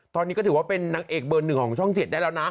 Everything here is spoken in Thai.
ตอนนี้ก็ถือว่าเป็นนางเอกเบอร์๑ของช่อง๗ได้แล้วนะ